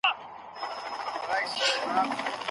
اوښکې د سترګو سطحه لمده ساتي.